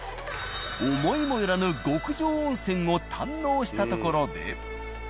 思いもよらぬ極上温泉を堪能したところで。